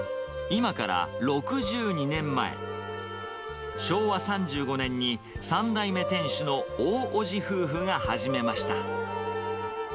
今から６２年前、昭和３５年に３代目店主の大叔父夫婦が始めました。